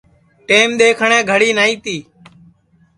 ٹیم دؔیکھٹؔے گھڑی نائی تی